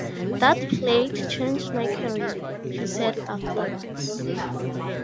"That play changed my career", he said afterwards.